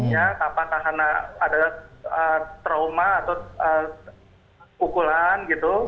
ya apakah karena ada trauma atau pukulan gitu